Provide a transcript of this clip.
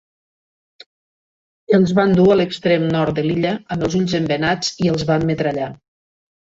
Els van dur a l'extrem nord de l'illa, amb els ulls embenats i els van metrallar.